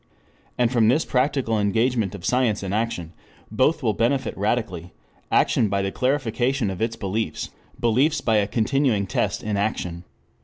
] and from this practical engagement of science and action, both will benefit radically: action by the clarification of its beliefs; beliefs by a continuing test in action.